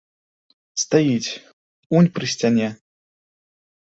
Стаіць, унь пры сцяне.